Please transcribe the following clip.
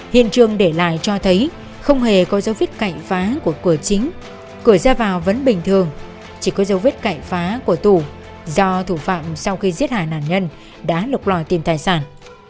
hiện trường để lại cho thấy không hề có dấu vết cậy phá của cửa chính cửa ra vào vẫn bình thường chỉ có dấu vết cậy phá của tủ do thủ phạm sau khi giết hại nạn nhân đã lục lòi tìm tài sản